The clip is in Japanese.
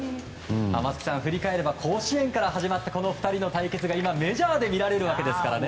松木さん、振り返れば甲子園から始まったこの２人の対決が今メジャーで見られるわけですからね。